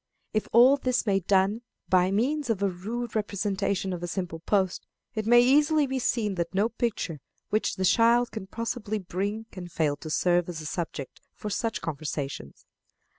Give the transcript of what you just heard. If all this may done by means of a rude representation of a simple post, it may easily be seen that no picture which the child can possibly bring can fail to serve as a subject for such conversations.